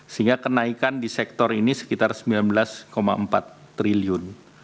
sehingga kenaikan di sektor ini sekitar sembilan belas empat triliun